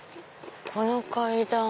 この階段。